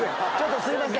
すみません、